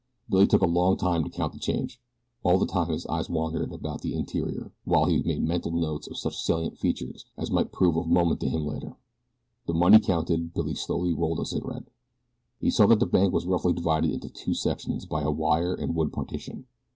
Billy took a long time to count the change. All the time his eyes wandered about the interior while he made mental notes of such salient features as might prove of moment to him later. The money counted Billy slowly rolled a cigarette. He saw that the bank was roughly divided into two sections by a wire and wood partition.